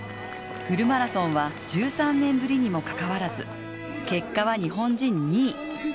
フルマラソンは１３年ぶりにもかかわらず結果は日本人２位。